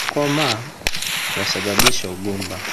Ukoma wasababisa ugumba